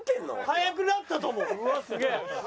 速くなったと思う。